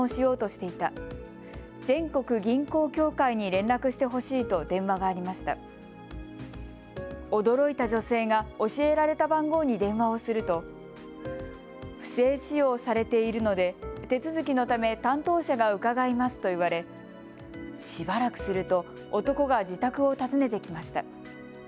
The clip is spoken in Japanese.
驚いた女性が教えられた番号に電話をすると不正使用されているので手続きのため担当者が伺いますと言われ、しばらくすると男が自宅を訪ねてきました。